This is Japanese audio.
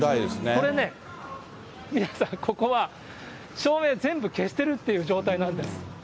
これね、宮根さん、ここは照明全部、消してるっていう状態なんです。